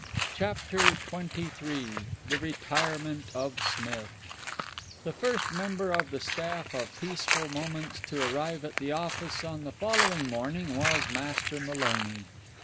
CHAPTER XXIII THE RETIREMENT OF SMITH The first member of the staff of Peaceful Moments to arrive at the office on the following morning was Master Maloney.